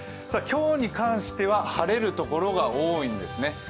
今日に関しては晴れる所が多いんですね。